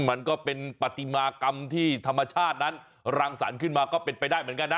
มันก็เป็นปฏิมากรรมที่ธรรมชาตินั้นรังสรรค์ขึ้นมาก็เป็นไปได้เหมือนกันนะ